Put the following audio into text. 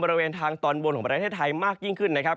บริเวณทางตอนบนของประเทศไทยมากยิ่งขึ้นนะครับ